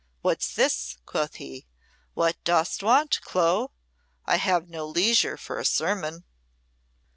"What's this?" quoth he. "What dost want, Clo? I have no leisure for a sermon."